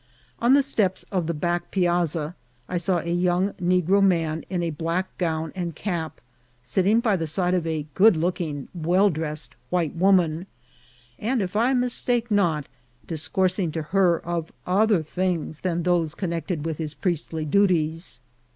On the steps ABLACKPRIEST. 15 of the back piazza I saw a young negro man, in a black gown and cap, sitting by the side of a good looking, well dressed white woman, and, if I mistake not, dis coursing to her of other things than those connected with his priestly duties.